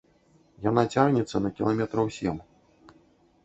Яна цягнецца на кіламетраў сем.